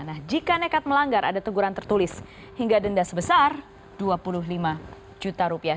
nah jika nekat melanggar ada teguran tertulis hingga denda sebesar dua puluh lima juta rupiah